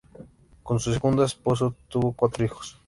Con su segunda esposa, tuvo cuatro hijos.